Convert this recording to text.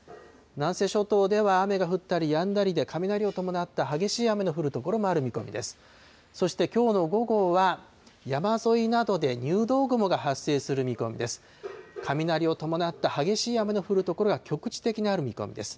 南西諸島では雨が降ったりやんだりで、雷を伴った激しい雨の降る所もある見込みです。